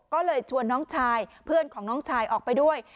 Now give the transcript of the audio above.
ก็เลยชวนน้องชายเพื่อนของน้องชายออกไปด้วย